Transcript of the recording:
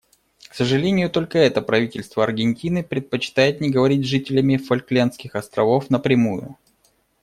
К сожалению, только это правительство Аргентины предпочитает не говорить с жителями Фолклендских островов напрямую.